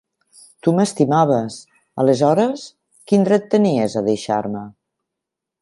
Tu m'estimaves. Aleshores, quin dret tenies a deixar-me?